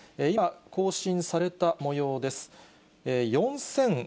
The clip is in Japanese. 今、更新されたもようです。